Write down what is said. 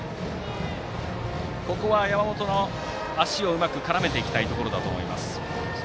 ここは山本の足をうまく絡めていきたいところだと思います。